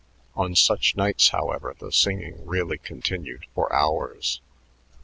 On such nights, however, the singing really continued for hours.